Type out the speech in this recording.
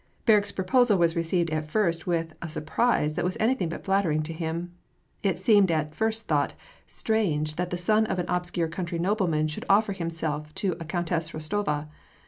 Berg's proposal was received at first with a surprise that was anything but flattering to him. It seemed at first thought strange that the son of an obscure country nobleman should offer himself to a Countess Bostova